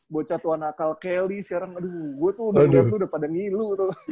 bocah tuan akal kelly sekarang aduh gue tuh udah pada ngilu